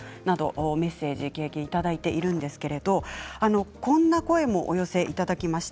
メッセージをいただいているんですがこんな声もお寄せいただきました。